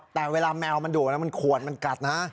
แต่เวลาแมวมันดูดมันขวดมันกัดนะ